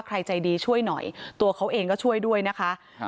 ใครใจดีช่วยหน่อยตัวเขาเองก็ช่วยด้วยนะคะ